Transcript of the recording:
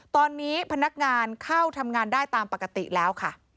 ตอนนี้พนักงานเข้าทำงานได้ตามปกติแล้วค่ะ